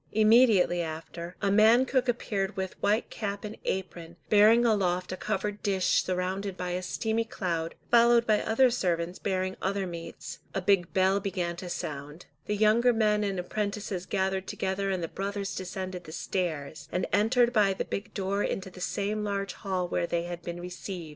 Immediately after, a man cook appeared with white cap and apron, bearing aloft a covered dish surrounded by a steamy cloud, followed by other servants bearing other meats; a big bell began to sound, the younger men and apprentices gathered together and the brothers descended the stairs, and entered by the big door into the same large hall where they had been received.